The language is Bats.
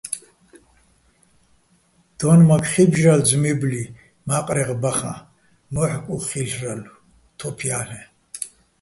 დო́ნმაქ ხი́ბჟრალო ძმუჲბლი მა́ყრეღ ბახაჼ, მოჰ̦კ უ̂ხ ხილ'რალო̆, თოფ ჲა́ლ'ეჼ.